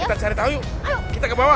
kita cari tahu yuk kita ke bawah